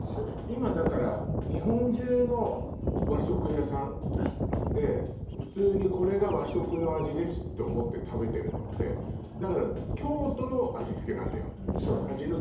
今だから日本中の和食屋さんではい普通にこれが和食の味ですって思って食べてるのってだからそうなんですそうです